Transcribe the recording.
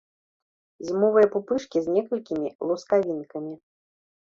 Зімовыя пупышкі з некалькімі лускавінкамі.